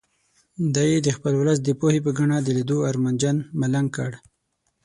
دی یې د خپل ولس د پوهې په ګاڼه د لیدو ارمانجن ملنګ کړ.